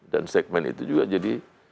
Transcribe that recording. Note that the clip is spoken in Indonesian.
dan segmen itu juga jadi